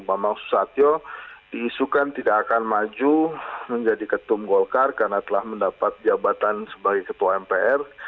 bambang susatyo diisukan tidak akan maju menjadi ketum golkar karena telah mendapat jabatan sebagai ketua mpr